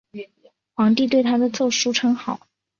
皇帝对他的奏疏称好。